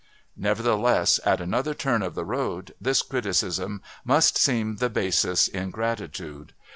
Nevertheless, at another turn of the road, this criticism must seem the basest ingratitude.